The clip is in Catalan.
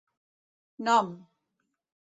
Nom: